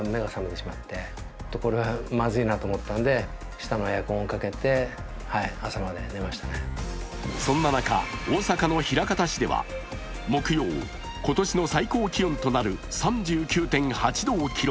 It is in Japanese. しかし、この夏はそんな中、大阪の枚方市では、木曜、今年の最高気温となる３９．８度を記録。